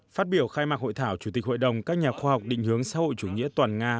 phát biểu khai mạc hội thảo chủ tịch hội đồng các nhà khoa học định hướng xã hội chủ nghĩa toàn nga